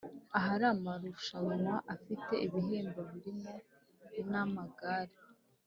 Ahari amarushumwa afite ibihembo birimo namagare